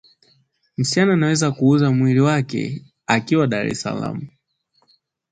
Msichana anaweza kuuza mwili wake akiwa Dar es laam